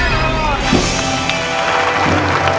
ไปค่ะใช้ได้ก่อน